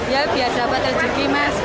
ya biar dapat rezeki mas